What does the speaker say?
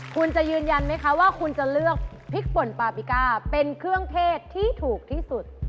คุณจะยืนยันไหมคะว่าคุณจะเลือกพริกป่นปาบิก้าเป็นเครื่องเทศที่ถูกที่สุด